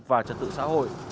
và trật tự xã hội